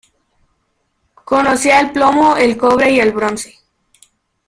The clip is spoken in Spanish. Conocía el plomo, el cobre y el bronce.